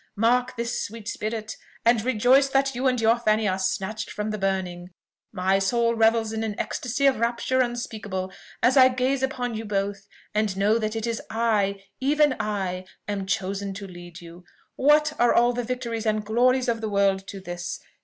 Mark this, sweet spirit! and rejoice that you and your Fanny are snatched from the burning! My soul revels in an ecstasy of rapture unspeakable, as I gaze upon you both, and know that it is I, even I, am chosen to lead you. What are all the victories and glories of the world to this?